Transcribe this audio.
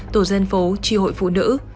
tổ dân phố tri hội phụ nữ